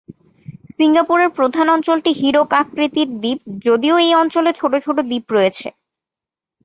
সিঙ্গাপুরের প্রধান অঞ্চলটি হীরক-আকৃতির দ্বীপ, যদিও এই অঞ্চলে ছোট ছোট দ্বীপ রয়েছে।